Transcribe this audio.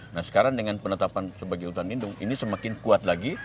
nah sekarang dengan penetapan sebagai hutan lindung ini semakin kuat lagi